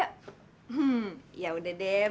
hmm ya udah deh